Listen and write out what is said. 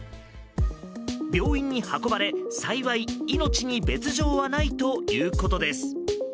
病院に運ばれ幸い、命に別条はないということです。